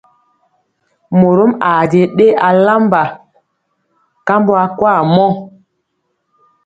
Morom aa je ɗe alamba kambɔ akwaa mɔ.